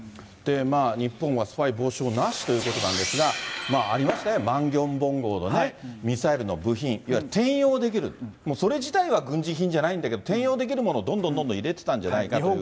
日本はスパイ防止法なしということなんですが、ありましたよね、マンギョンボン号のね、ミサイルの部品、いわゆる転用できる、それ自体は軍事品じゃないんだけど、転用できるものをどんどんどんどん入れてたんじゃないかというこ